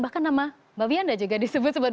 bahkan nama mbak vianda juga disebut sebut